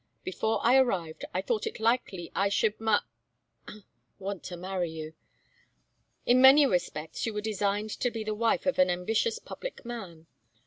Before I arrived I thought it likely I should ma want to marry you. In many respects you were designed to be the wife of an ambitious public man.